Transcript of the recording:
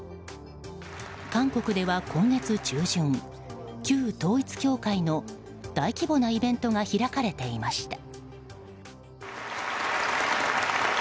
韓国では今月中旬旧統一教会の大規模なイベントが開かれていました。